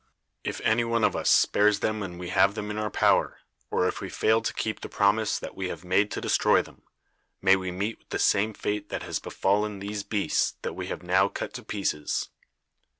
If any one of us spares them when we have them in our power, or if we fail to keep the promise that we have made to destroy them, may we meet with the same fate that has befallen these beasts that we have now cut to pieces."